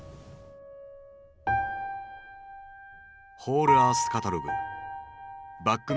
「ホールアースカタログ」。